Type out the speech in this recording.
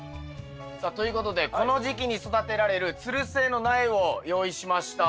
さあということでこの時期に育てられるつる性の苗を用意しました。